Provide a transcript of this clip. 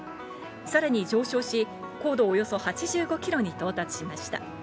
さらに上昇し、高度およそ８５キロに到達しました。